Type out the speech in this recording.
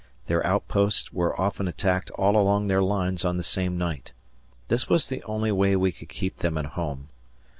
Their outposts were often attacked all along their lines on the same night. This was the only way we could keep them at home.